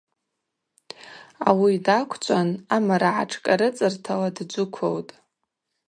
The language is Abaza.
Ауи даквчӏван амарагӏатшкӏарыцӏыртала дджвыквылтӏ.